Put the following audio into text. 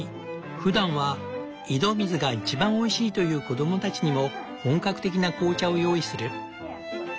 ふだんは「井戸水が一番おいしい」と言う子供たちにも本格的な紅茶を用意する。